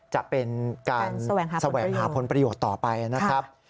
จะเป็นการแสวงหาผลประโยชน์ต่อไปนะครับ